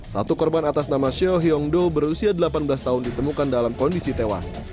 satu korban atas nama sheo hyongdo berusia delapan belas tahun ditemukan dalam kondisi tewas